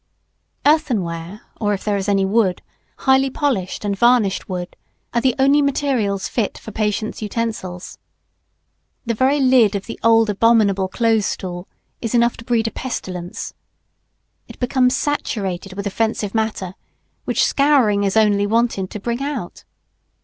Earthenware, or if there is any wood, highly polished and varnished wood, are the only materials fit for patients' utensils. The very lid of the old abominable close stool is enough to breed a pestilence. It becomes saturated with offensive matter, which scouring is only wanted to bring out.